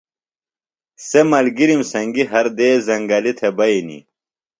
سےۡ ملگِرِم سنگیۡ ہر دیس زنگلیۡ تھےۡ بئینیۡ۔